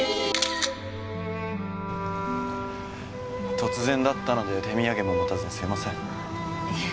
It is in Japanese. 突然だったので手土産も持たずにすいませんいえ